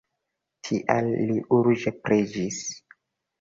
Tial li urĝe preĝis.